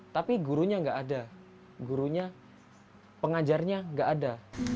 tapi gurunya tidak ada gurunya pengajarnya tidak ada